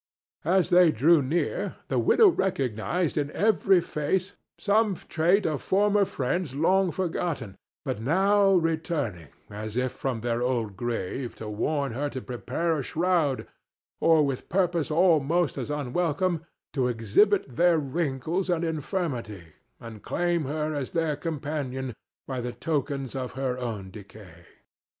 As they drew near the widow recognized in every face some trait of former friends long forgotten, but now returning as if from their old graves to warn her to prepare a shroud, or, with purpose almost as unwelcome, to exhibit their wrinkles and infirmity and claim her as their companion by the tokens of her own decay.